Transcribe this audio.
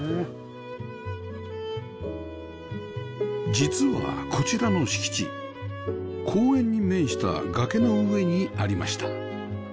実はこちらの敷地公園に面した崖の上にありました